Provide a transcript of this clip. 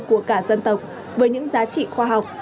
của cả dân tộc với những giá trị khoa học